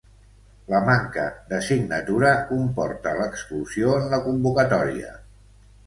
La manca de signatura comporta l'exclusió en la convocatòria.